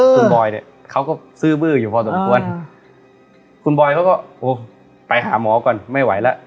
คุณบอยเนี่ยเขาก็ซื้อบื้ออยู่พอสมควรคุณบอยเขาก็โอ้ไปหาหมอก่อนไม่ไหวแล้ว